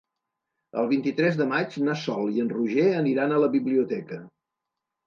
El vint-i-tres de maig na Sol i en Roger aniran a la biblioteca.